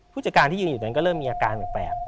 ผู้จัดการที่ยืนอยู่นั้นก็เริ่มมีอาการแปลก